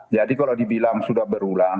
kalau dibilang sudah berulang